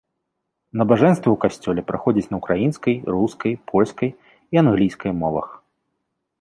Набажэнствы ў касцёле праходзяць на ўкраінскай, рускай, польскай і англійскай мовах.